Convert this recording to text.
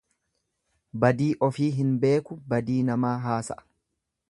Badii ofii hin beeku badii namaa haas'a.